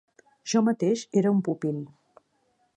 Jo mateix era un pupil.